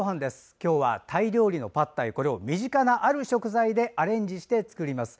今日はタイ料理のパッタイを身近なある食材でアレンジして作ります。